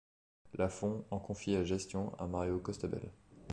Lafont en confie la gestion à Mario Costabel.